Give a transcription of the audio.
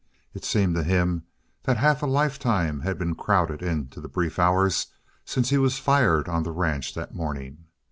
It seemed to him that half a lifetime had been crowded into the brief hours since he was fired on the ranch that morning.